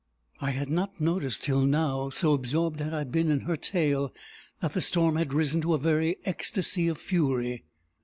I had not noticed till now, so absorbed had I been in her tale, that the storm had risen to a very ecstasy of fury.